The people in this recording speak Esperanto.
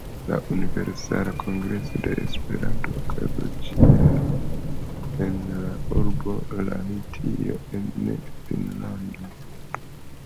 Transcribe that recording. La Universala Kongreso de Esperanto okazos ĉi-jare en la urbo Lahtio en Finnlando.